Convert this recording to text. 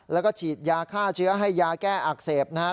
แล้วก็ฉีดยาฆ่าเชื้อให้ยาแก้อักเสบนะครับ